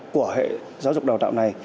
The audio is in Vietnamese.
của hệ giáo dục đầu tạo này